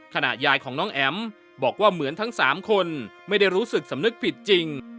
ยายของน้องแอ๋มบอกว่าเหมือนทั้ง๓คนไม่ได้รู้สึกสำนึกผิดจริง